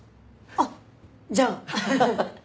あっじゃあ。